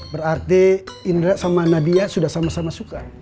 berarti indra sama nadia sudah sama sama suka